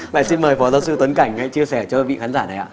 mời xin mời phó giáo sư tuấn cảnh chia sẻ cho vị khán giả này ạ